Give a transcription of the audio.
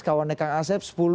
kawannya kang asep